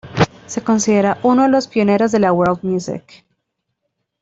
Se considera uno de los pioneros de la world music.